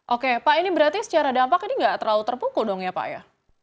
oke pak ini berarti secara dampak ini nggak terlalu terpukul dong ya pak ya